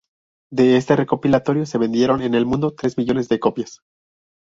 De este recopilatorio se vendieron en el mundo tres millones de copias.